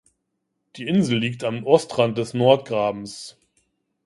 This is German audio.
Die Insel liegt am Ostrand des Nord--Grabens.